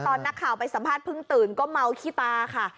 ตอนนักข่าวไปสัมภาษณเพิ่งตื่นก็เมาขี้ตาค่ะ